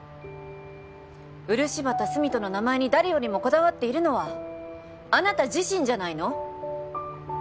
漆畑澄人の名前に誰よりもこだわっているのはあなた自身じゃないの？